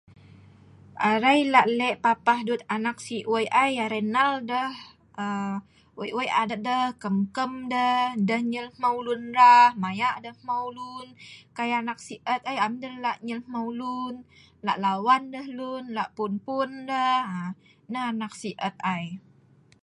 Arai lah' le papah dut anak si wei' ai, arai nal deh, aaa wei' wei' adat deh, kem kem deh, deh nyel hmeu lun ra, maya deh hmeu' lun, kai anak si et ai, am deh lah nyel hmeu lun, lah la'wan deh lun, lah pun pun deh haa nah anak si et ai.